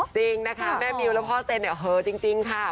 จริงนะคะแม่มิวและพ่อเซนเนี่ยเหอะจริงค่ะ